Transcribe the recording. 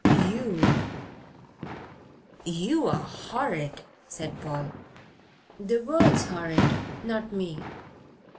You " "You're horrid," said Paul. "The word's horrid, not me.